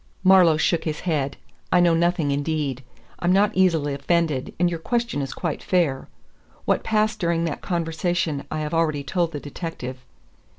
Marlowe shook his head. "I know nothing, indeed. I'm not easily offended, and your question is quite fair. What passed during that conversation I have already told the detective.